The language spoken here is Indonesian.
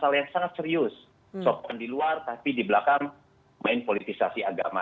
hal yang sangat serius sopan di luar tapi di belakang main politisasi agama